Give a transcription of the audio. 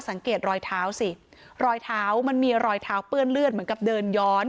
รอยเท้าสิรอยเท้ามันมีรอยเท้าเปื้อนเลือดเหมือนกับเดินย้อน